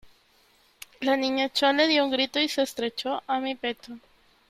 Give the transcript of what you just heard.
la Niña Chole dió un grito y se estrechó a mi pecho :